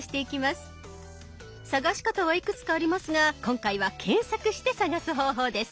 探し方はいくつかありますが今回は検索して探す方法です。